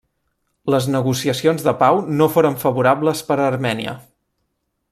Les negociacions de pau no foren favorables per a Armènia.